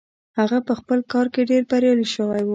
هغه په خپل کار کې ډېر بريالي شوی و.